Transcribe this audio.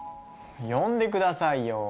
呼んでくださいよ。